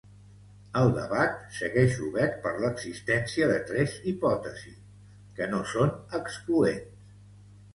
El debat segueix obert per l’existència de tres hipòtesis, que no són excloents.